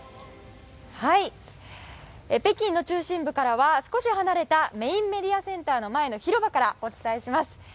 北京の中心部からは少し離れたメインメディアセンターの前の広場からお伝えします。